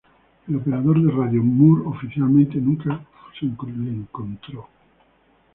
El operador de radio Moore oficialmente nunca fue encontrado.